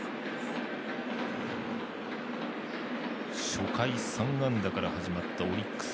初回３安打から始まったオリックス。